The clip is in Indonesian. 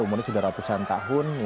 umurnya sudah ratusan tahun